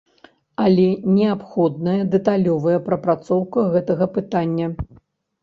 Але неабходная дэталёвая прапрацоўка гэтага пытання.